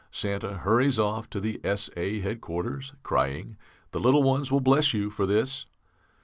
Santa hurries off to the S.A. headquarters crying 'The little ones will bless you for this.'